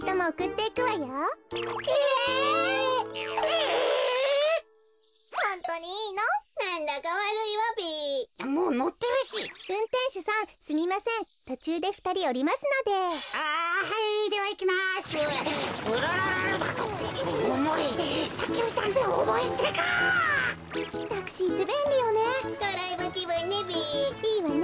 いいわね。